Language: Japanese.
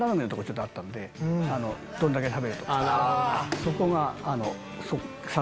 そこが。